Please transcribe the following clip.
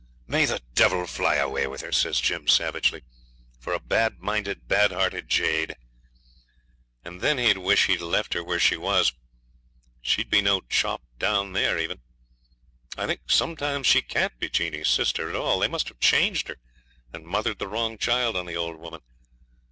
'May the devil fly away with her!' said Jim savagely, 'for a bad minded, bad hearted jade; and then he'd wish he'd left her where she was. She'd be no chop down there even. I think sometimes she can't be Jeanie's sister at all. They must have changed her, and mothered the wrong child on the old woman.